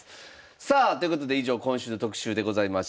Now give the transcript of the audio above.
さあということで以上今週の特集でございました。